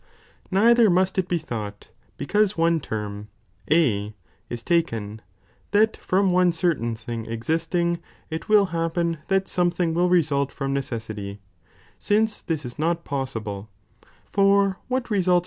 Neither must it be tliought, be J^,'",""^""' cuise one term, A, is taken, that from one certain IhiDg existing, it will happen that something will result from neoesaity, since this is not possible, for what results